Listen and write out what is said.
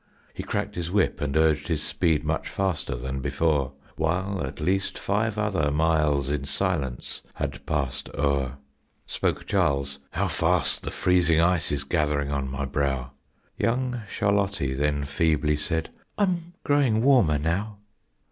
He cracked his whip and urged his speed much faster than before, While at least five other miles in silence had passed o'er. Spoke Charles, "How fast the freezing ice is gathering on my brow!" Young Charlottie then feebly said, "I'm growing warmer now."